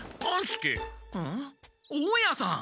大家さん！